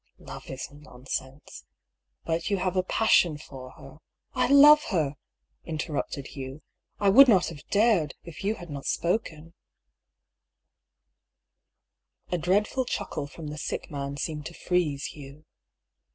Love is nonsense. But you have a passion for her "" I love her !" interrupted Hugh. " I would not have dared — if you had not spoken." A STARTLING PROPOSAL. 97 A dreadful chuckle from the sick man seemed to freeze Hugh.